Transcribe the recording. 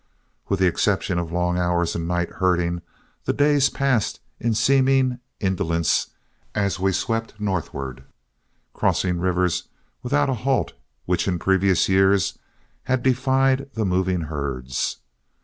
With the exception of long hours and night herding, the days passed in seeming indolence as we swept northward, crossing rivers without a halt which in previous years had defied the moving herds.